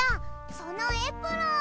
そのエプロン！